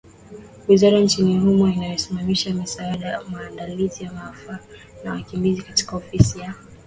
Wizara nchini humo inayosimamia misaada, maandalizi ya maafa na wakimbizi katika Ofisi ya Waziri Mkuu ilisema katika taarifa yake Jumapili jioni